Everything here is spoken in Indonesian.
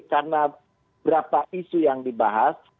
karena beberapa isu yang dibahas